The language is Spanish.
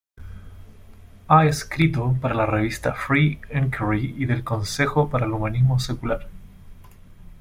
Ha escrito para la revista Free Inquiry y del "Consejo para el Humanismo Secular".